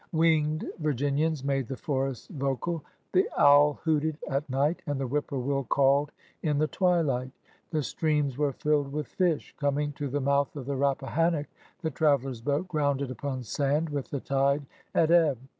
Winged Vir ginians made the forests vocal. The owl hooted at night, and the whippoorwill called in the twilight. The streams were filled with fish. Coming to the mouth of the Rappahannock, the travders' boat grounded upon sand, with the tide at ebb.